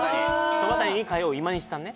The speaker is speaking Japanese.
そば谷に通う今西さんね